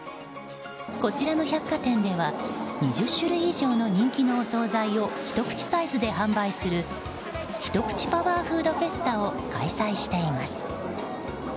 こちらの百貨店では２０種類以上の人気のお総菜をひと口サイズで販売するひとくちパワーフードフェスタを開催しています。